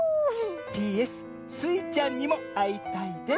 「ＰＳスイちゃんにもあいたいです」。